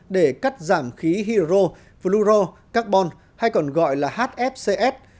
để cắt giảm khí hero fluoro carbon hay còn gọi là hfcs